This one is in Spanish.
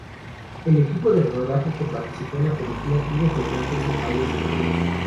El equipo de rodaje que participó en la película tuvo frecuentes cefaleas y mareos.